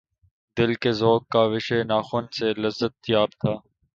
دل کہ ذوقِ کاوشِ ناخن سے لذت یاب تھا